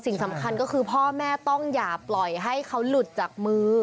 สิ่งสำคัญก็คือพ่อแม่ต้องอย่าปล่อยให้เขาหลุดจากมือ